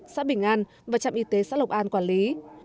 xã bình an và trạm y tế xã lộc an quản lý